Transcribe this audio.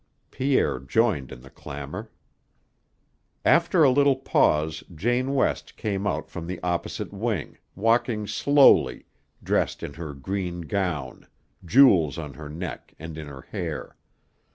Pierre joined in the clamor. After a little pause Jane West came out from the opposite wing, walking slowly, dressed in her green gown, jewels on her neck and in her hair.